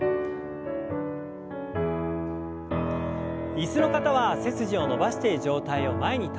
椅子の方は背筋を伸ばして上体を前に倒します。